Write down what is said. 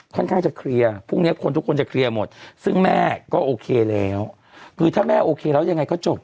ค่อนข้างจะเคลียร์พรุ่งนี้คนทุกคนจะเคลียร์หมดซึ่งแม่ก็โอเคแล้วคือถ้าแม่โอเคแล้วยังไงก็จบ